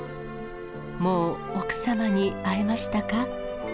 もう奥様に会えましたか？